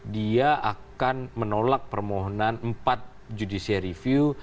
dia akan menolak permohonan empat judicial review